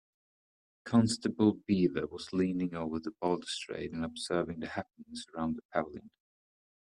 Constable Beaver was leaning over the balustrade and observing the happenings around the pavilion.